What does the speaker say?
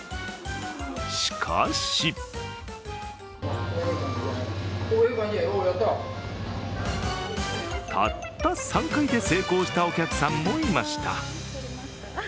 しかしたった３回で成功したお客さんもいました。